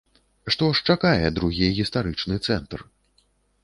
Што ж чакае другі гістарычны цэнтр?